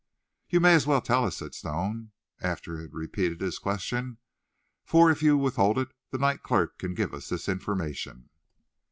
"You may as well tell us," said Stone, after he had repeated his question, "for if you withhold it, the night clerk can give us this information."